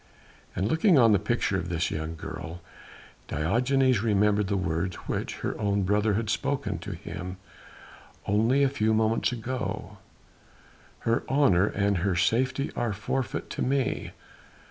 And looking on the picture of this young girl, Diogenes remembered the words which her own brother had spoken to him only a few moments ago; "her honour and her safety are forfeit to me.